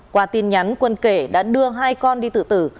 qua tin nhắn quân kể đã đưa hai con đi tự tử